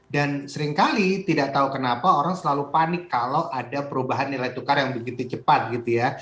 dan seringkali tidak tahu kenapa orang selalu panik kalau ada perubahan nilai tukar yang begitu cepat gitu ya